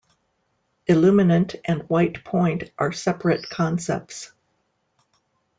Illuminant and white point are separate concepts.